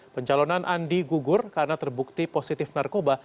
pencalonan andi gugur karena terbukti positif narkoba